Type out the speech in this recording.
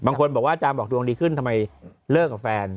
บางคนบอกว่าอาจารย์บอกดวงดีขึ้นทำไมเลิกกับแฟน